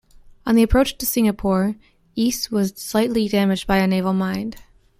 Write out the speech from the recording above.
On the approach to Singapore, "Ise" was slightly damaged by a naval mine.